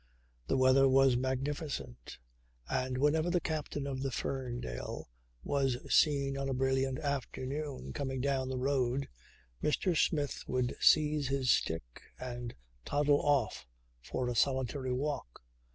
The weather was magnificent and whenever the captain of the Ferndale was seen on a brilliant afternoon coming down the road Mr. Smith would seize his stick and toddle off for a solitary walk.